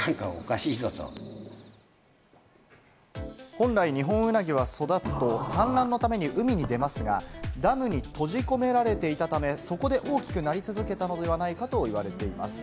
本来、ニホンウナギは育つと産卵のために海に出ますが、ダムに閉じ込められていたため、そこで大きくなり続けたのではないかと言われています。